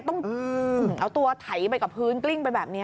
ต้องเอาตัวไถไปกับพื้นกลิ้งไปแบบนี้